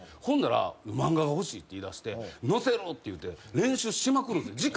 ほんなら「漫画が欲しい」って言いだして「のせる」って言うて練習しまくるんすよ。